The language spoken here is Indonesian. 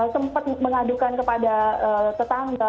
sempat mengadukan kepada tetangga